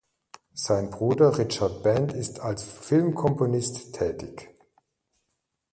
Sein Bruder Richard Band ist als Filmkomponist tätig.